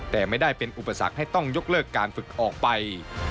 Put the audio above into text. แต่ไม่ได้เป็นอุปสรรคให้ต้องยกเลิกการฝึกออกไป